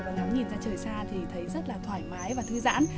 và ngắm nhìn ra trời xa thì thấy rất là thoải mái và thư giãn